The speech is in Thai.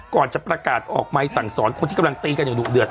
ก่อนจะประกาศออกใหม่สั่งสอนคนที่กำลังตีกันอย่างดุเดือด